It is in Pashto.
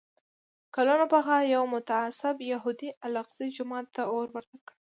کلونه پخوا یو متعصب یهودي الاقصی جومات ته اور ورته کړ.